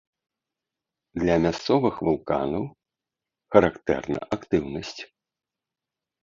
Для мясцовых вулканаў характэрна актыўнасць.